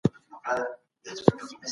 د انسان په خوی باندې اقليم اغېز لري.